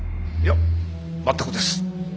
いや全くです。